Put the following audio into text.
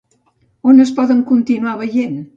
On es poden continuar veient?